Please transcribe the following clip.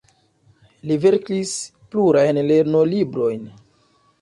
Li verkis plurajn lernolibrojn.